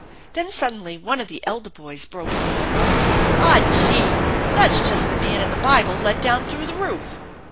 Then suddenly one of the elder boys broke forth: "Aw! Gee! That's just the man in the Bible let down through the roof!"